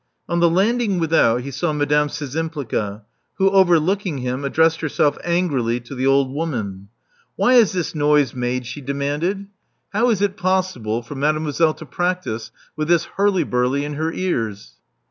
On the landing without, he saw Madame Szczympliga, wlu), overlooking him, addressed herself angrily to the old woman. "Why is this noise made?" she demanded. "How Love Among the Artists 367 is it possible for Mademoiselle to practise with this hurly burly in her ears?"